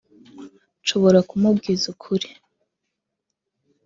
nshobora kumubwiza ukuri